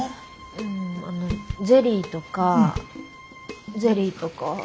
うんあのゼリーとかゼリーとか。